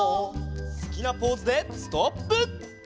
「好きなポーズでストップ！」